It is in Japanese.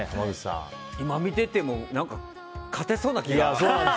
今、ＶＴＲを見てても勝てそうな気が。